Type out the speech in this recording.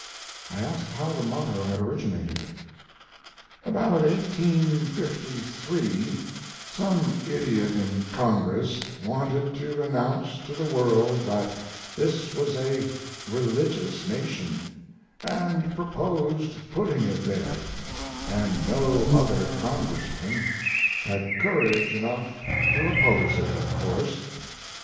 I asked how the motto had originated. "About 1853 some idiot in Congress wanted to announce to the world that this was a religious nation, and proposed putting it there, and no other Congressman had courage enough to oppose it, of course.